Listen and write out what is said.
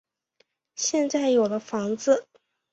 现在有了房子